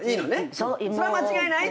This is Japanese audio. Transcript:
それは間違いないと。